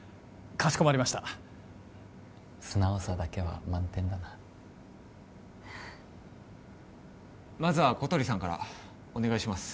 かしこまりました素直さだけは満点だなまずは小鳥さんからお願いします